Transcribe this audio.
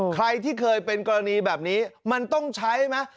ใครที่เคยเป็นกรณีแบบนี้มันต้องใช้ไหม